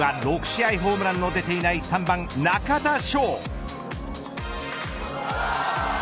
すると８回、打席には６試合ホームランの出ていない３番、中田翔。